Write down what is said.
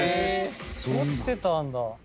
・落ちてたんだ。